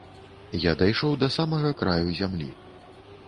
Я дайшоў да самага краю зямлі.